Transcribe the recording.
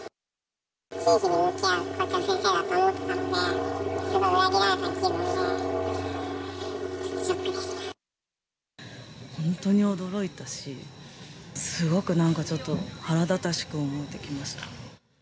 真摯に向き合う校長先生だと思ってたので、すごい裏切られた気分で、本当に驚いたし、すごくなんかちょっと腹立たしく思えてきました。